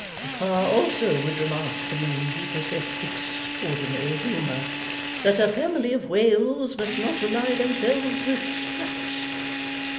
Papa also would remark to me (he possessed extraordinary humour), "that a family of whales must not ally themselves with sprats."